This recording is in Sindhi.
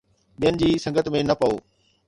ٻين جي سنگت ۾ نه پئو